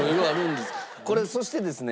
これそしてですね